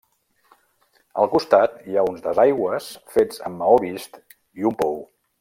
Al costat hi ha uns desaigües fets amb maó vist, i un pou.